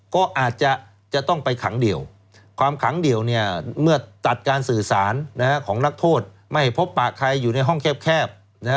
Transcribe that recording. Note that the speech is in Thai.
ก็ต้องไปขังเดี่ยวความขังเดี่ยวเมื่อตัดสื่อสารของนักโทษไม่พบปากใครต้องอยู่ในข้าวแคบ